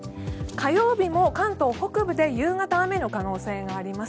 火曜日も関東北部で夕方、雨の可能性があります。